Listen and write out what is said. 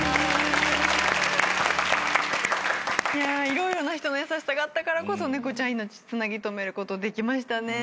色々な人の優しさがあったからこそ猫ちゃん命つなぎ留めることできましたね。